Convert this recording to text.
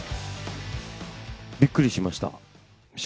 びっくりしました。